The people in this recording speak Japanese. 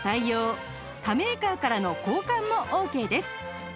他メーカーからの交換もオーケーです